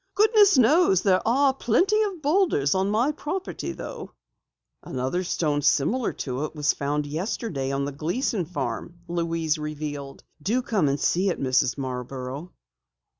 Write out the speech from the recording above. "Goodness knows there are plenty of boulders on my property though." "Another stone similar to it was found yesterday on the Gleason farm," Louise revealed. "Do come and see it, Mrs. Marborough."